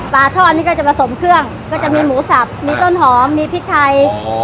ปลาทอดนี่ก็จะผสมเครื่องก็จะมีหมูสับมีต้นหอมมีพริกไทย